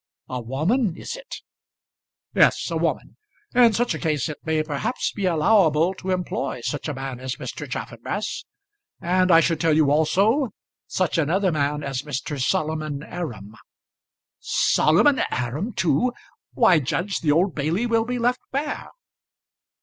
"A woman is it?" "Yes; a woman. In such a case it may perhaps be allowable to employ such a man as Mr. Chaffanbrass; and I should tell you also, such another man as Mr. Solomon Aram." "Solomon Aram, too! Why, judge, the Old Bailey will be left bare."